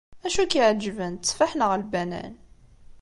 Acu i k-iɛeǧben, tteffaḥ neɣ lbanan?